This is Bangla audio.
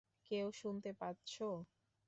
কেউ শুনতে পাচ্ছ?